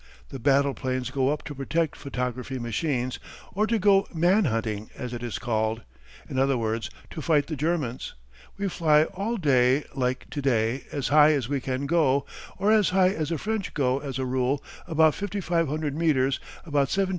The battle planes go up to protect photography machines, or to go man hunting, as it is called; in other words, to fight the Germans. We fly all day, like to day, as high as we can go, or as high as the French go as a rule, about 5500 metres, about 17,000 to 18,000 feet.